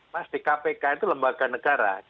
mas di kpk itu lembaga negara